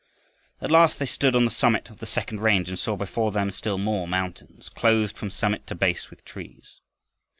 At last they stood on the summit of the second range and saw before them still more mountains, clothed from summit to base with trees.